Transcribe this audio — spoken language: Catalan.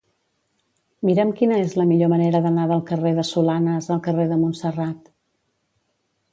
Mira'm quina és la millor manera d'anar del carrer de Solanes al carrer de Montserrat.